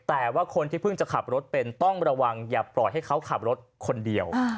แต่ว่าคนที่เพิ่งจะขับรถเป็นต้องระวังอย่าปล่อยให้เขาขับรถคนเดียว